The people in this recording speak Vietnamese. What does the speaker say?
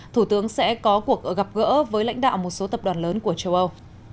thủ tướng sẽ có cuộc gặp gỡ với lãnh đạo một số tập đoàn lớn của châu âu